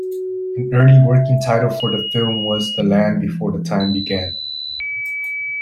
An early working title for the film was "The Land Before Time Began".